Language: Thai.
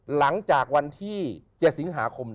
หลังจากวันที่๗สิงหาคม